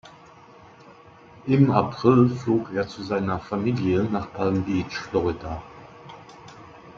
Im April flog er zu seiner Familie nach Palm Beach, Florida.